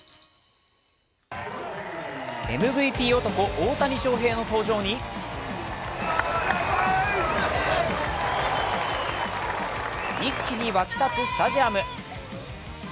ＭＶＰ男・大谷翔平の登場に一気に沸き立つスタジアム。